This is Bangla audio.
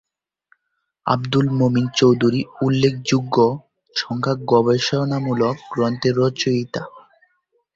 আবদুল মমিন চৌধুরী উল্লেখযোগ্য সংখ্যক গবেষণামূলক গ্রন্থের রচয়িতা।